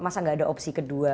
masa gak ada opsi kedua